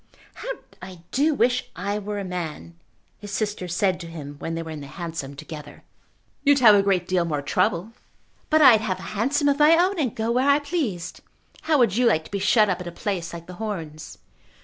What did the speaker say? "How I do wish I were a man!" his sister said to him when they were in the hansom together. "You'd have a great deal more trouble." "But I'd have a hansom of my own, and go where I pleased. How would you like to be shut up at a place like The Horns?"